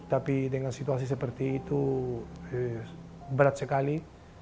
tapi dengan situasi seperti itu berat sekali